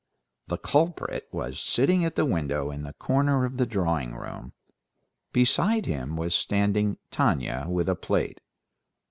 The culprit was sitting at the window in the corner of the drawing room; beside him was standing Tanya with a plate.